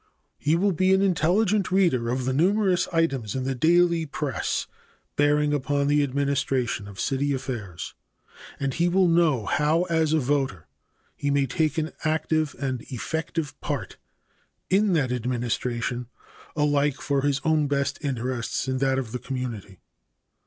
He will be an intelligent reader of the numerous items in the daily press bearing upon the administration of city affairs, and he will know how as a voter he may take an active and effective part in that administration alike for his own best interests and that of the community.